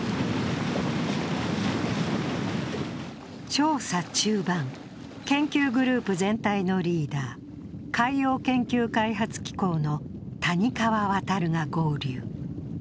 調査中盤、研究グループ全体のリーダー、海洋研究開発機構の谷川亘が合流。